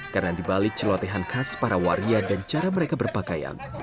karena di balik celotehan khas para waria dan cara mereka berpakaian